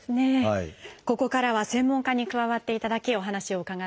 ここからは専門家に加わっていただきお話を伺っていきます。